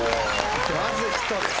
まず１つ。